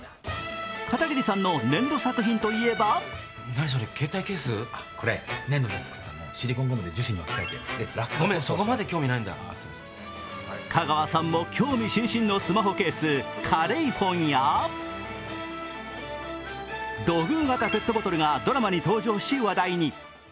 片桐さんの粘土作品といえば香川さんも興味津々のスマホケースカレイフォンや土偶型ペットボトルがドラマに登場し、話題に。